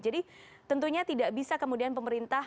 jadi tentunya tidak bisa kemudian pemerintah